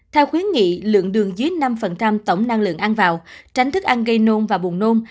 theo khuyến nghị lượng đường dưới năm tổng năng lượng ăn vào tránh thức ăn gây nôn và buồn nôn